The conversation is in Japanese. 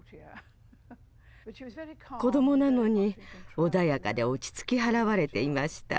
子どもなのに穏やかで落ち着き払われていました。